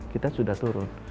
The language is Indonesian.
kita sudah turun